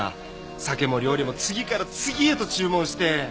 酒も料理も次から次へと注文して。